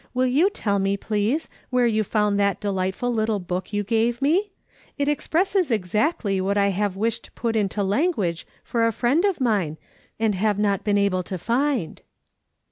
Will you tell me, please, where you found that delightful little book you gave me ? It expresses exactly what I have wished put into language for a friend of mine, and have not been able to find."